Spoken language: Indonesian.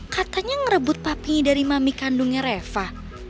katanya merebut papi dari mami kandungnya reva